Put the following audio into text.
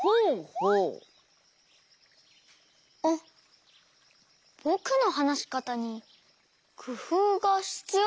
あっぼくのはなしかたにくふうがひつようだったんでしょうか？